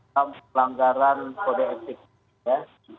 pelanggaran kode etik ya